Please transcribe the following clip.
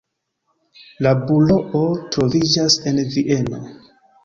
La buroo troviĝas en Vieno.